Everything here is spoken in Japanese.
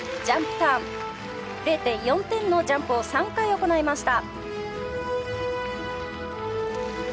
０．４点のジャンプを３回行いました。